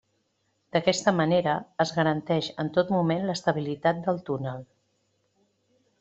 D'aquesta manera, es garanteix en tot moment l'estabilitat del túnel.